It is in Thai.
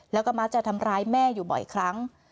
แล้วก็มักจะทำร้ายแม่อยู่บ่อยครั้ง